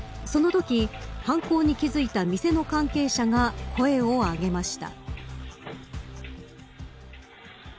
そのとき犯行に気付いた店の関係者が声を上げました。